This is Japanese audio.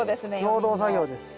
共同作業です。